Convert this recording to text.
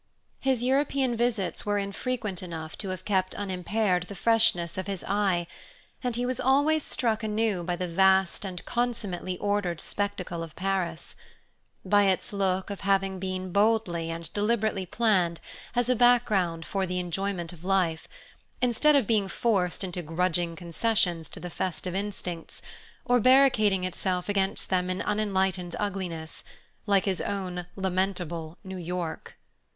His European visits were infrequent enough to have kept unimpaired the freshness of his eye, and he was always struck anew by the vast and consummately ordered spectacle of Paris: by its look of having been boldly and deliberately planned as a background for the enjoyment of life, instead of being forced into grudging concessions to the festive instincts, or barricading itself against them in unenlightened ugliness, like his own lamentable New York.